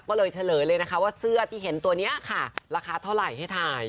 ก็เลยเฉลยเลยนะคะว่าเสื้อที่เห็นตัวนี้ค่ะราคาเท่าไหร่ให้ถ่าย